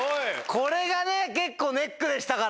これが結構ネックでしたから！